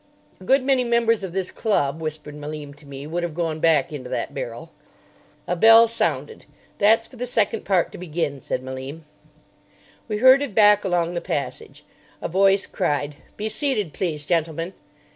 "A good many members of this club," whispered Malim to me, "would have gone back into that barrel." A bell sounded. "That's for the second part to begin," said Malim. We herded back along the passage. A voice cried, "Be seated, please, gentlemen."